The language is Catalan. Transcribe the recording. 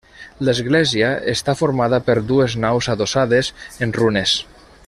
L'església està formada per dues naus adossades, en runes.